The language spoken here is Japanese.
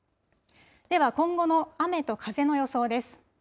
では今後の雨と風の予想です。